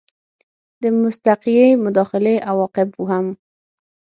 د مستقیې مداخلې عواقب هم